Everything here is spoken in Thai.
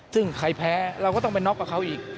ซึ่งใครแพ้เราก็ต้องไปน็อกกับเขาอีก